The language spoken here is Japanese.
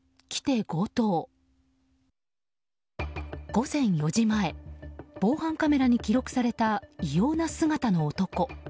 午前４時前、防犯カメラに記録された異様な姿の男。